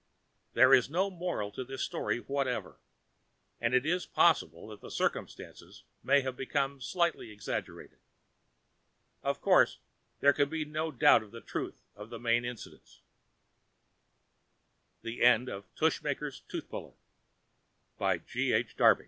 There is no moral to this story whatever, and it is possible that the circumstances may have become slightly exaggerated. Of course, there can be no doubt of the truth of the main incidents. Bob Ingersoll relates an anecdote of a Heb